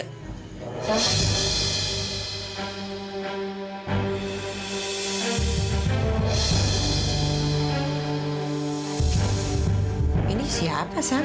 ini siapa sang pacar kamu bukan tante itu tania cucu bungsunya bularas ya ampun